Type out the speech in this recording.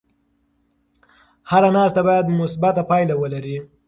هره ناسته باید مثبته پایله ولري.